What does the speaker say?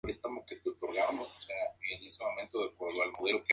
Se afianza como uno de los líderes del movimiento de los scouts.